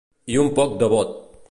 I un poc de vot.